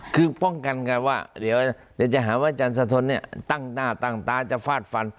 คือป้องกันกันว่าเดี๋ยวจะหาว่าอาจารย์สะทนเนี่ยตั้งหน้าตั้งตาจะฟาดฟัน